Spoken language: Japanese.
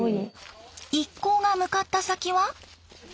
一行が向かった先は。